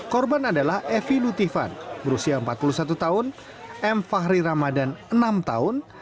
korban adalah evi lutifan berusia empat puluh satu tahun m fahri ramadan enam tahun